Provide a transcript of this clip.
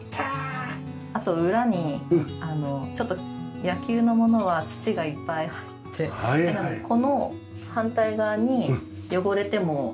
あと裏にちょっと野球のものは土がいっぱい入って嫌なのでこの反対側に汚れてもいいような収納を設けてます。